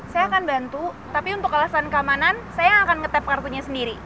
saya akan bantu tapi untuk alasan keamanan saya akan nge tap kartunya sendiri